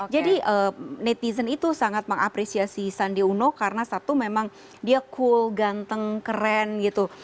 jadi netizen itu sangat mengapresiasi sandiaga uno karena satu memang dia cool ganteng keren gitu